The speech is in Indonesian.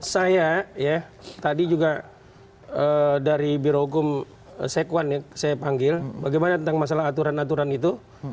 saya ya tadi juga dari birohukum sekwan saya panggil bagaimana tentang masalah aturan aturan itu